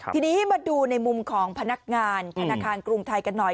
ทีนี้มาดูในมุมของพนักงานธนาคารกรุงไทยกันหน่อย